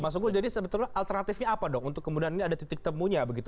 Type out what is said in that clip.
mas unggul jadi sebetulnya alternatifnya apa dong untuk kemudian ini ada titik temunya begitu